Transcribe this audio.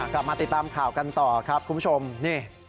กลับมาติดตามข่าวกันต่อครับคุณผู้ชมนี่